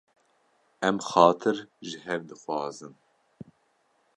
Em xatir ji hev dixwazin.